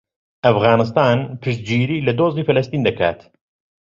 ئەفغانستان پشتگیری لە دۆزی فەڵەستین دەکات.